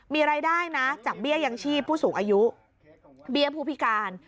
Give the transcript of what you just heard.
มีรายได้นะจากเบี้ยยังชีพผู้สูงอายุเบี้ยผู้พิการ